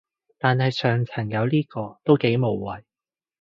但係上層有呢個都幾無謂